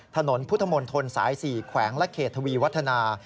ถนนพุทธมนตรสาย๔แขวงและเขตทวีวัฒนา